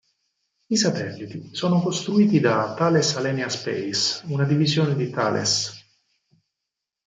I satelliti sono costruiti da Thales Alenia Space, una divisione di Thales.